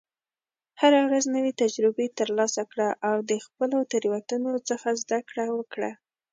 هره ورځ نوې تجربې ترلاسه کړه، او د خپلو تېروتنو څخه زده کړه وکړه.